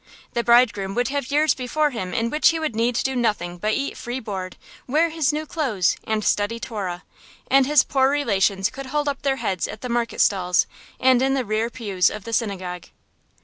The bridegroom would have years before him in which he need do nothing but eat free board, wear his new clothes, and study Torah; and his poor relations could hold up their heads at the market stalls, and in the rear pews in the synagogue.